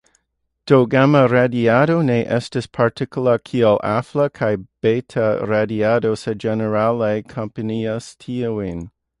Do, gama-radiado ne estas partikla kiel alfa- kaj beta-radiado, sed ĝenerale akompanas tiujn.